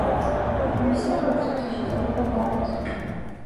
კომისიამ პროექტის მიზანშეწონილობა დაადასტურა.